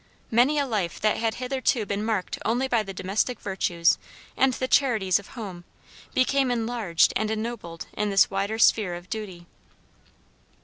Many a life that had hitherto been marked only by the domestic virtues and the charities of home, became enlarged and ennobled in this wider sphere of duty.